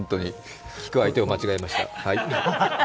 聞く相手を間違えました。